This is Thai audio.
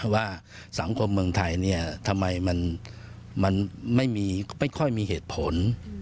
ว่าสังคมเมืองไทยทำไมมันไม่ค่อยมีเหตุผล